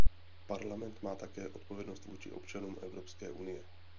Parlament má také odpovědnost vůči občanům Evropské unie.